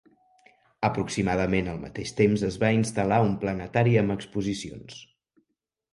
Aproximadament al mateix temps, es va instal·lar un planetari amb exposicions.